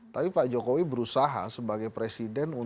tapi pak jokowi berusaha sebagai presiden untuk